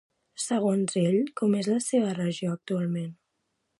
Segons ell, com és la seva regió actualment?